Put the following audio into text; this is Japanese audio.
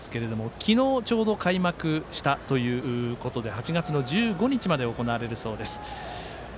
昨日ちょうど開幕したということで８月の１５日まで行われるそうです。